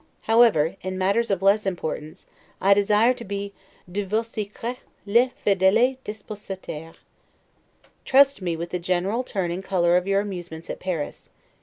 However, in matters of less importance, I desire to be 'de vos secrets le fidele depositaire'. Trust me with the general turn and color of your amusements at Paris.